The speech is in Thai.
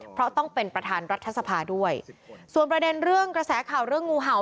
เพราะต้องเป็นประธานรัฐสภาด้วยส่วนประเด็นเรื่องกระแสข่าวเรื่องงูเห่า